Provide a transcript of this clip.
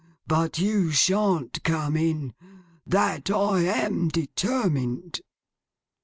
But you shan't come in. That I am determined.